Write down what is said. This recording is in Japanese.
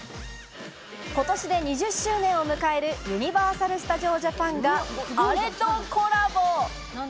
今年で２０周年を迎えるユニバーサル・スタジオ・ジャパンがあれとコラボ。